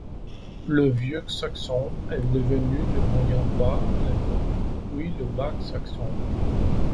Le vieux saxon est devenu le moyen bas allemand puis le bas saxon.